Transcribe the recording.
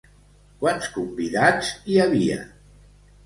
Quants convidats hi havia?